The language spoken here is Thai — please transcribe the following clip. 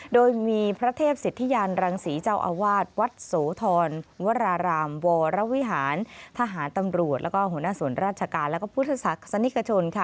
โดยมีพระเทพศิษฐิยานรังศรีเจ้าอาวาสวัดโสธรวรารามวรวิหารทหารตำรวจแล้วก็หัวหน้าส่วนราชการและพุทธศาสนิกชนค่ะ